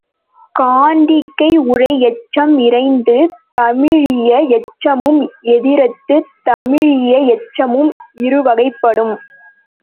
காண்டிகை உரை எச்சம் இறந்தது தழீஇய எச்சமும் எதிரது தழீஇய எச்சமும் இருவகைப்படும்.